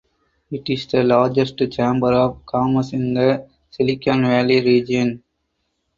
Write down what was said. It is the largest chamber of commerce in the Silicon Valley region.